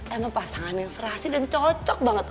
emang pasangan yang serasi dan cocok banget